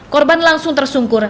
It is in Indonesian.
korban langsung tersungkur